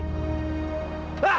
kau nggak apa apaan sih